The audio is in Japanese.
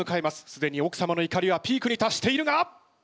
すでに奥様の怒りはピークに達しているが！？